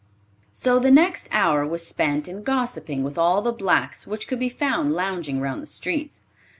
So the next hour was spent in gossiping with all the blacks which could be found lounging round the streets.